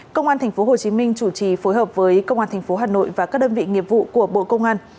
công an tp hcm chủ trì phối hợp với công an tp hà nội và các đơn vị nghiệp vụ của bộ công an